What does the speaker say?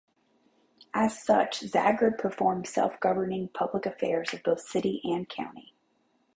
As such, Zagreb performs self-governing public affairs of both city and county.